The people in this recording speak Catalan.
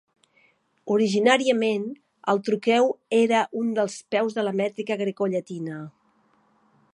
Originàriament, el troqueu era un dels peus de la mètrica grecollatina.